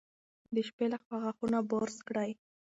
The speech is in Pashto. د شپې لخوا غاښونه برس کړئ.